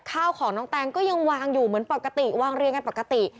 ข้าวของน้องแตงก็ยังวางอยู่เหมือนปกติวางเรียงกันปกติ